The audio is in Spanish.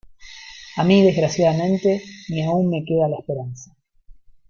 a mí, desgraciadamente , ni aun me queda la esperanza.